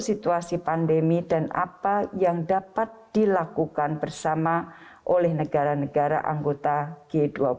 situasi pandemi dan apa yang dapat dilakukan bersama oleh negara negara anggota g dua puluh